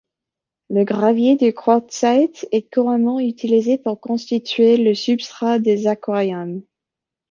Le gravier de quartzite est couramment utilisé pour constituer le substrat des aquariums.